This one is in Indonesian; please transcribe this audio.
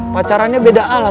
pacarannya beda alam